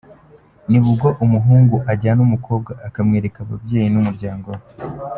Nibwo umuhungu ajyana umukobwa akamwereka ababyeyi n’umuryango we.